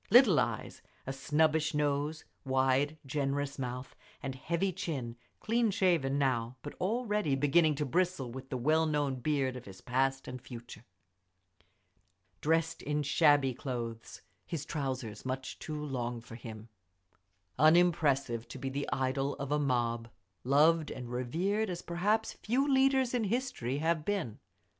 Little eyes, a snubbish nose, wide, generous mouth, and heavy chin; clean shaven now, but already beginning to bristle with the well known beard of his past and future. Dressed in shabby clothes, his trousers much too long for him. Unimpressive, to be the idol of a mob, loved and revered as perhaps few leaders in history have been.